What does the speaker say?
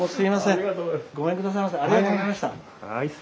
ありがとうございます。